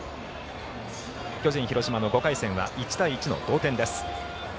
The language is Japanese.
巨人、広島の５回戦は１対１の同点です。